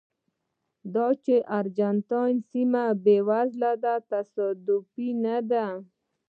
دا چې ارجنټاین سیمه بېوزله ده تصادف نه دی.